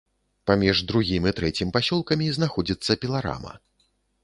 Паміж другім і трэцім пасёлкамі знаходзіцца піларама.